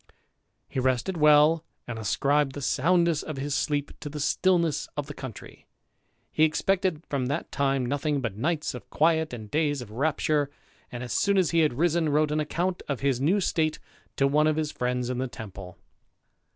He rested well, and ascribed the soundness of his sleep to the stillness of the country. He expected from that time nothing but nights of quiet and days of rapture, and, as soon as he had risen, wrote an account of his new state to one of his friends in the Temple.